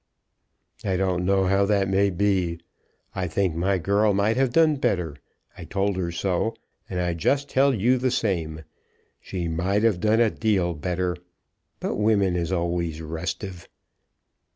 "I don't know how that may be. I think my girl might have done better. I told her so, and I just tell you the same. She might a' done a deal better, but women is always restive."